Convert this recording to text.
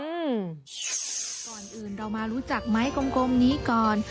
อืมก่อนอื่นเรามารู้จักไม้กลมนี้ก่อน